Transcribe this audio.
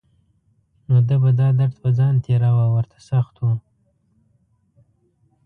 نو ده به دا درد په ځان تېراوه ورته سخت و.